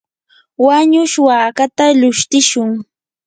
wanush wakata lushtishun.